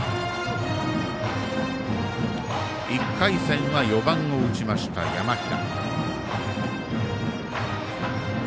１回戦は、４番を打ちました山平。